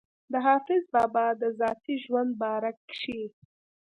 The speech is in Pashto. د حافظ بابا د ذاتي ژوند باره کښې